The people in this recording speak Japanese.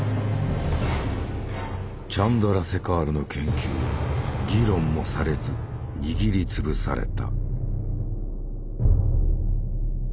チャンドラセカールの研究は議論もされず握りつぶされた。